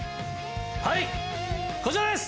はいこちらです！